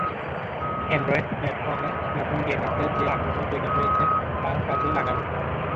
Android প্ল্যাটফর্মে নতুন গেমারদের যে আগ্রহ তৈরি হয়েছে, তা কাজে লাগানো।